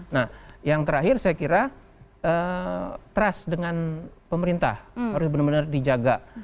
nah yang terakhir saya kira trust dengan pemerintah harus benar benar dijaga